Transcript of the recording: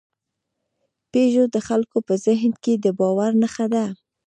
پيژو د خلکو په ذهن کې د باور نښه ده.